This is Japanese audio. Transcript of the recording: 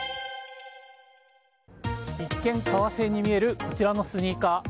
一見、革製に見えるこちらのスニーカー。